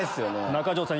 中条さん